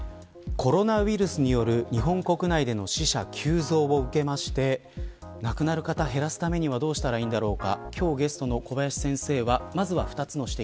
コロナウイルスによる日本国内での死者急増を受けまして亡くなる方を減らすためにはどうしたらいいんだろうか。